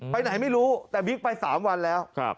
ไปไหนไม่รู้แต่บิ๊กไป๓วันแล้ว